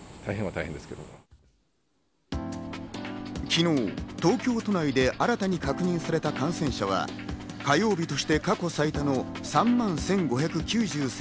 昨日、東京都内で新たに確認された感染者は火曜日として過去最多の３万１５９３人。